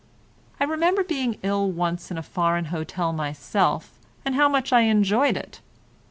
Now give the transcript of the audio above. I remember being ill once in a foreign hotel myself and how much I enjoyed it.